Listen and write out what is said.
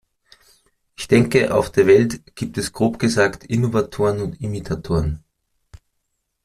Ich denke, auf der Welt gibt es grob gesagt Innovatoren und Imitatoren.